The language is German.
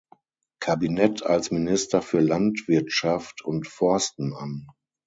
Kabinett als Minister für Landwirtschaft und Forsten an.